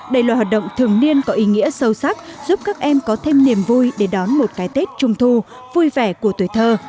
đây là hoạt động thường niên có ý nghĩa sâu sắc giúp các em có thêm niềm vui để đón một cái tết trung thu vui vẻ của tuổi thơ